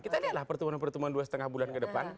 kita lihatlah pertemuan pertemuan dua lima bulan ke depan